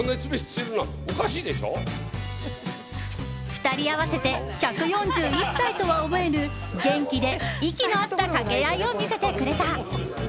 ２人合わせて１４１歳とは思えぬ元気で息の合った掛け合いを見せてくれた。